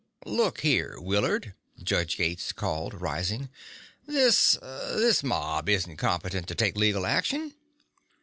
"Look here, Willard," Judge Gates called, rising. "This this mob isn't competent to take legal action."